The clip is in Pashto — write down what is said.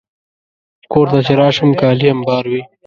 کور ته چې راشم، کالي امبار وي.